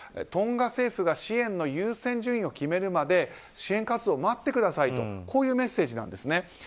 トンガ政府が支援の優先順位を決めるまで支援活動を待ってくださいというメッセージなんです。